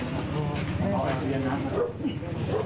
หลังจากที่สุดยอดเย็นหลังจากที่สุดยอดเย็น